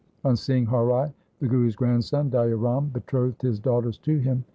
On seeing Har Rai the Guru's grandson, Daya Ram betrothed his daughters to him.